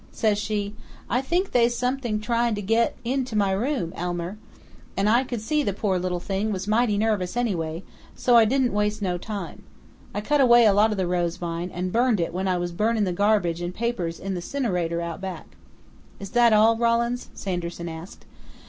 Says she, 'I think they's somebody tryin' to git into my room, Elmer,' and I could see the poor little thing was mighty nervous anyway, so I didn't waste no time. I cut away a lot of the rose vine and burned it when I was burnin' the garbage and papers in the 'cinerator out back." "Is that all, Rawlins?" Sanderson asked.